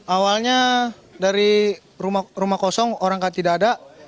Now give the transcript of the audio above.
awalnya dari rumah kosong orang tidak ada